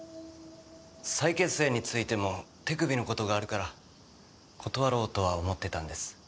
再結成についても手首のことがあるから断ろうとは思ってたんです。